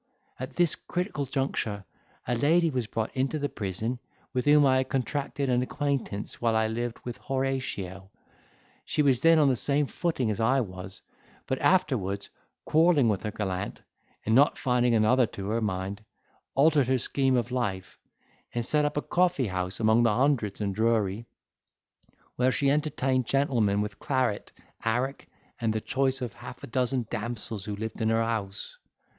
At this critical conjuncture a lady was brought into the prison, with whom I had contracted an acquaintance while I lived with Horatio; she was then on the same footing as I was, but afterwards quarrelling with her gallant, and not finding another to her mind, altered her scheme of life, and set up a coffee house among the hundreds in Drury, where she entertained gentlemen with claret, arrack, and the choice of half a dozen damsels who lived in her house.